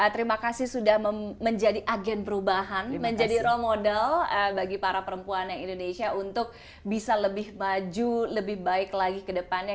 terima kasih sudah menjadi agen perubahan menjadi role model bagi para perempuan yang indonesia untuk bisa lebih maju lebih baik lagi ke depannya